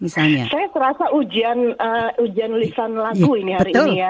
saya terasa ujian tulisan lagu hari ini